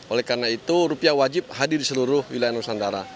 oleh karena itu rupiah wajib hadir di seluruh wilayah nusantara